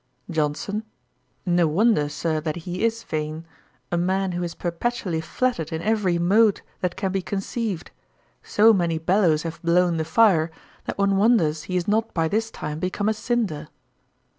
JOHNSON. 'No wonder, Sir, that he is vain; a man who is perpetually flattered in every mode that can be conceived. So many bellows have blown the fire, that one wonders he is not by this time become a cinder.'